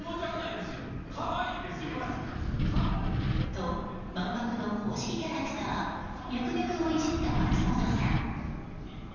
と、万博の公式キャラクターミャクミャクをいじった松本さん。